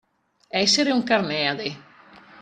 Essere un Carneade.